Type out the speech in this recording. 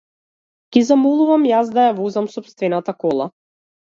Ги замолувам јас да ја возам сопствената кола.